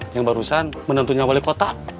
yang barusan menentunya wali kota